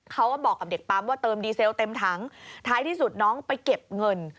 เขาก็บอกกับเด็กปั๊มว่าเติมดีเซลเต็มถังท้ายที่สุดน้องไปเก็บเงิน